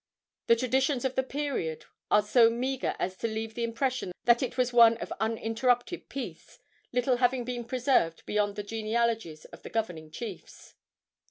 The traditions of the period are so meagre as to leave the impression that it was one of uninterrupted peace, little having been preserved beyond the genealogies of the governing chiefs.